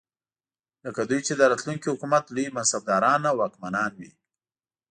لکه دوی چې د راتلونکي حکومت لوی منصبداران او واکمنان وي.